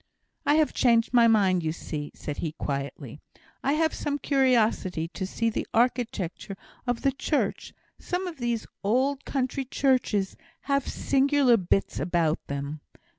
"I have changed my mind, you see," said he, quietly. "I have some curiosity to see the architecture of the church; some of these old country churches have singular bits about them.